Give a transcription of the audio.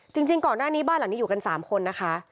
จริงก่อนหน้านี้บ้านหลังนี้อยู่กัน๓คนนะคะ